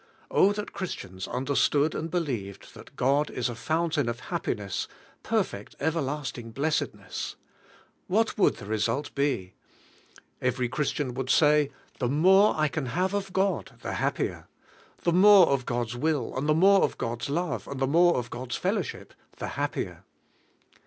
Oh, that Christians understood and believed that God is a fountain of happiness, perfect, everlasting blessedness! What w'ould the result be? Every Christian would say, "The more I can have of God, the happier. The more of God's will, and the more of God's love, and the more of God's fellowship, the happier."